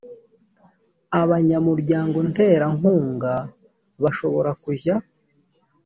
abanyamuryango nterankunga bashobora kujya